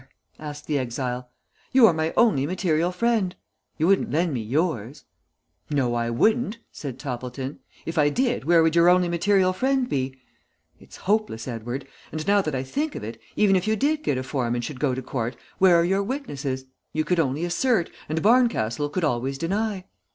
asked the exile. "You are my only material friend. You wouldn't lend me yours." "No, I wouldn't," said Toppleton. "If I did, where would your only material friend be? It's hopeless, Edward; and now that I think of it, even if you did get a form and should go to court, where are your witnesses? You could only assert, and Barncastle could always deny.